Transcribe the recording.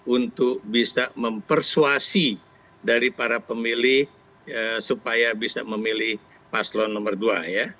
untuk bisa mempersuasi dari para pemilih supaya bisa memilih paslon nomor dua ya